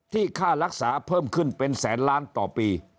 ค่ารักษาเพิ่มขึ้นเป็นแสนล้านต่อปี